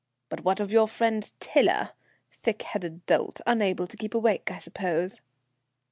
"But what of your friend Tiler? Thick headed dolt, unable to keep awake, I suppose."